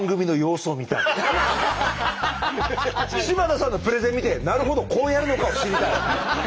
柴田さんのプレゼン見て「なるほど！こうやるのか」を知りたい。